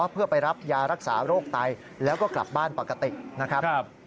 เพื่อไปรับยารักษาโรคไตแล้วก็กลับบ้านปกตินะครับ